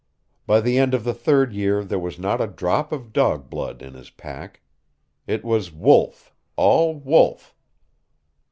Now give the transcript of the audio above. By the end of the third year there was not a drop of dog blood in his pack. It was wolf, all wolf.